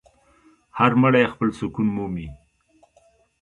هر مړی خپل سکون مومي.